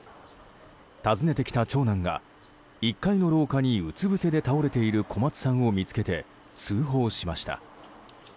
訪ねてきた長男が１階の廊下にうつぶせで倒れている小松さんを見つけて通報しました。